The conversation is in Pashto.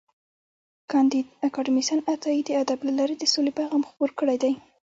کانديد اکاډميسن عطايي د ادب له لارې د سولې پیغام خپور کړی دی.